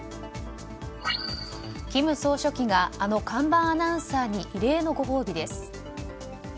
金総書記があの看板アナウンサーに異例のご褒美です。